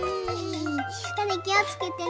たねきをつけてね。